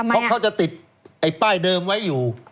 เพราะเขาจะติดป้ายเดิมไว้อยู่